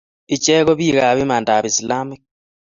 Ichek ko biikab imandab islamik